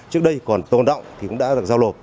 trước đây còn tồn động thì cũng đã được giao lộp